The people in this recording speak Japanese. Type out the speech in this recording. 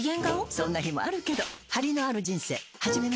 そんな日もあるけどハリのある人生始めましょ。